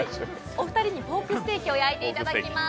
お二人にポークステーキを焼いていただきます。